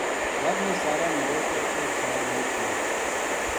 رب نے سارا موڑ کے ایک ٹھار ما کیا